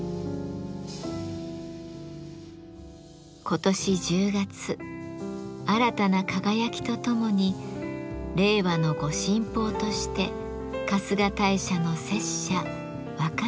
今年１０月新たな輝きとともに「令和の御神宝」として春日大社の摂社若宮に納められます。